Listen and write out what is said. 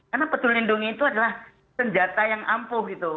karena peduli lindungi itu adalah senjata yang ampuh gitu